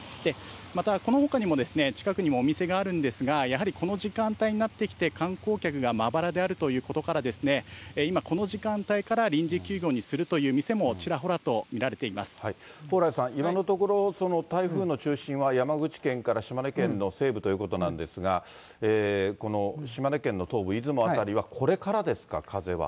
また、このほかにも近くにもお店があるんですが、やはりこの時間帯になってきて、観光客がまばらであるということから、今、この時間帯から臨時休業にするという見せもちらほらと見られてい蓬莱さん、今のところ、台風の中心は山口県から島根県の西部ということなんですが、この島根県の東部、出雲辺りはこれからですか、風は。